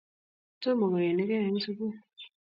Tomo koenige eng sugul